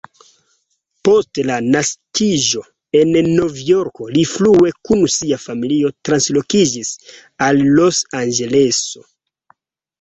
Post la naskiĝo en Novjorko, li frue kun sia familio translokiĝis al Los-Anĝeleso.